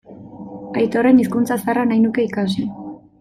Aitorren hizkuntza zaharra nahi nuke ikasi.